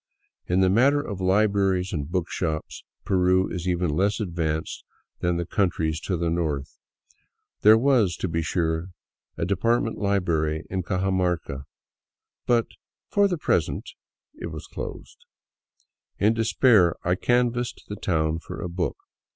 In the matter of libraries and book shops Peru is even less advanced than the countries to the north. There was, to be sure, a department library in Cajamarca, but " for the present " it was closed. In despair I canvassed the town for a book.